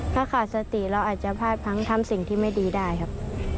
ถ้าขาดสติเราอาจจะพลาดพังทำสิ่งที่ไม่ดีได้ครับ